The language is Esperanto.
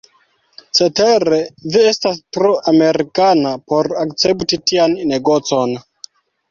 Cetere, vi estas tro Amerikana por akcepti tian negocon.